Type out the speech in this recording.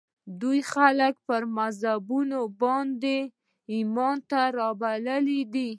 دوی خلک پر مذهبونو باندې ایمان ته رابللي دي